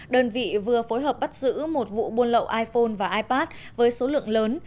đơn vị vừa phối hợp bắt giữ một vụ buôn lậu iphone và ipad với số lượng lớn